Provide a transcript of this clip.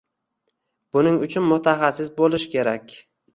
Buning uchun mutahassis bo`lish kerak